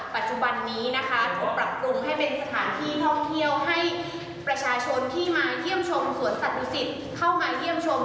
ปัจจุบันนี้นะคะถือว่าปรับปรุงให้เป็นสถานที่ท่องเที่ยวให้ประชาชนที่มาเยี่ยมชมสวนสัตว์ดุสิตเข้ามาเยี่ยมชม